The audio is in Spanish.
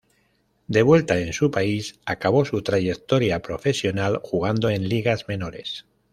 De vuelta en su país, acabó su trayectoria profesional jugando en ligas menores.